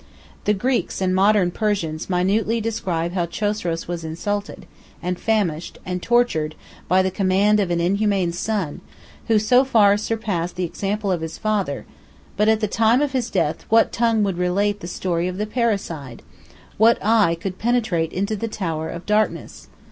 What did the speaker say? The Greeks and modern Persians minutely describe how Chosroes was insulted, and famished, and tortured, by the command of an inhuman son, who so far surpassed the example of his father: but at the time of his death, what tongue would relate the story of the parricide? what eye could penetrate into the tower of darkness?